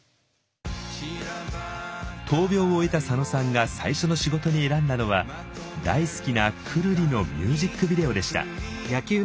闘病を終えた佐野さんが最初の仕事に選んだのは大好きなくるりのミュージックビデオでした。